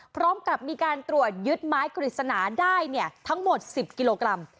พร้อมกับมีการตรวจยึดไม้กฤษณาได้ทั้งหมด๑๐กิโลกรัม